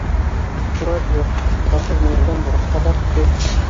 Фураж юҡ, колхоз муйындан бурысҡа батты.